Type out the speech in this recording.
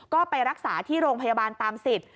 ก็ไปรักษาที่โรงพยาบาลตามสิทธิ์